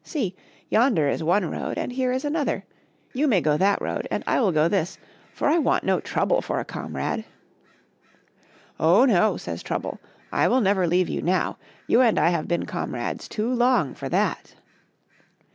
See ! yonder is one road and here is another ; you may go that road and I will go this, for I want no Trouble for a comrade.*' " Oh, no !" says Trouble, " I will never leave you now ; you and I have been comrades too long for that